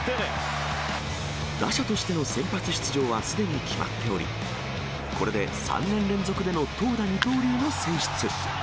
打者としての先発出場はすでに決まっており、これで３年連続での投打二刀流の選出。